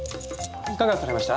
いかがされました？